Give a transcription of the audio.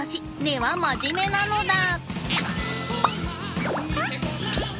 根は真面目なのだ。